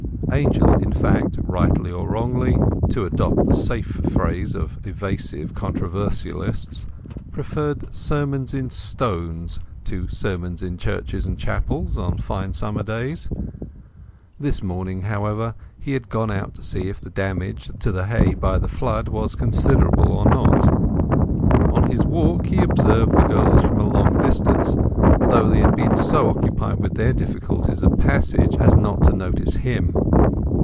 Angel, in fact, rightly or wrongly (to adopt the safe phrase of evasive controversialists), preferred sermons in stones to sermons in churches and chapels on fine summer days. This morning, moreover, he had gone out to see if the damage to the hay by the flood was considerable or not. On his walk he observed the girls from a long distance, though they had been so occupied with their difficulties of passage as not to notice him.